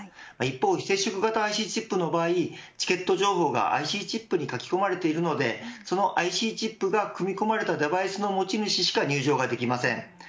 一方、非接触型ＩＣチップの場合チケット情報がＩＣチップに書き込まれているのでそのＩＣチップが組み込まれたデバイスの持ち主しか入場ができません。